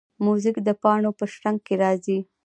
موزیک د پاڼو په شرنګ کې راځي.